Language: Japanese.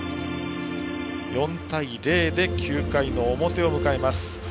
４対０で９回の表を迎えます。